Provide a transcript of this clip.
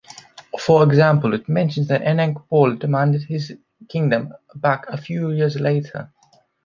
For example, it mentions that Anangpal demanded his kingdom back a few years later.